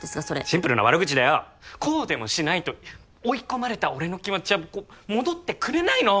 シンプルな悪口だよっこうでもしないと追い込まれた俺の気持ちは戻ってくれないの！